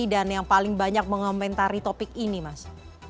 dan yang paling banyak mengomentari topik ini mas